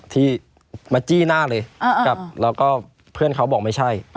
ที่มาจี้หน้าเลยแล้วก็เพื่อนเขาบอกไม่ใช่